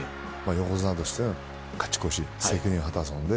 横綱として勝ち越し責任を果たすまで